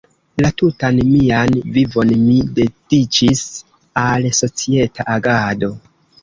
La tutan mian vivon mi dediĉis al societa agado.